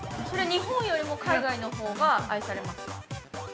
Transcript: ◆日本よりも海外のほうが愛されますか。